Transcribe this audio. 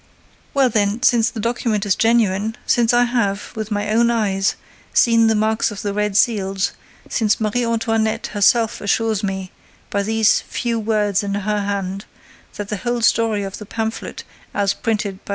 "Well, then, since the document is genuine, since I have, with my own eyes, seen the marks of the red seals, since Marie Antoinette herself assures me, by these few words in her hand, that the whole story of the pamphlet, as printed by M.